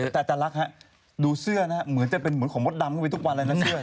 แต่ตาลักษณ์ฮะดูเสื้อเหมือนจะเป็นของมดดำขึ้นไปทุกวันเลยนะเสื้อ